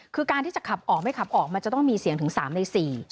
คือการที่จะขับออกไม่ขับออกมันจะต้องมีเสียงถึง๓ใน๔